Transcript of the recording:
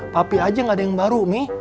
papi aja gak ada yang baru nih